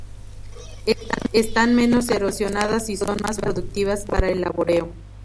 Están menos erosionadas y son más productivas para el laboreo.